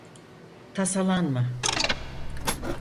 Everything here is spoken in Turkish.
Tasalanma.